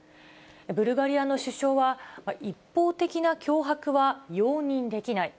ブルガリアの首相は、一方的な脅迫は容認できない。